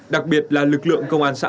để tiến hành